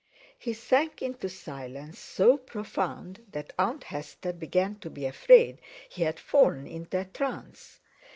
He sank into silence so profound that Aunt Hester began to be afraid he had fallen into a trance.